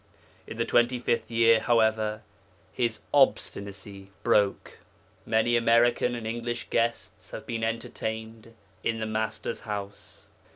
In the twenty fifth year, however, his obstinacy broke. Many American and English guests have been entertained in the Master's house.